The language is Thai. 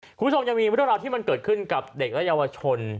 คุณผู้ชมยังมีเรื่องราวที่มันเกิดขึ้นกับเด็กและเยาวชน